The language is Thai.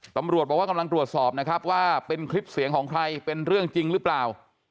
ตำรวจบอกว่ากำลังตรวจสอบนะครับว่าเป็นคลิปเสียงของใครเป็นเรื่องจริงหรือเปล่า